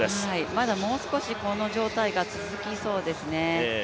まだもう少し、この状態が続きそうですね。